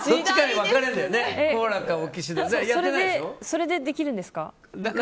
それでできるんですか？